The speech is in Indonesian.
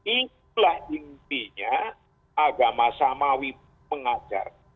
itulah intinya agama samawi mengajar